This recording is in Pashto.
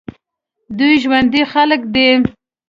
دوی ژوندي خلک دي.